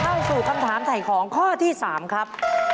เข้าสู่คำถามถ่ายของข้อที่๓ครับ